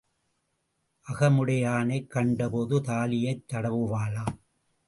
அகமுடையானைக் கண்டபோது தாலியைத் தடவுவாளாம்.